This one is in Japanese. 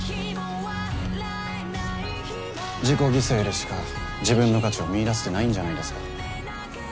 自己犠牲でしか自分の価値を見いだせてないんじゃないですか？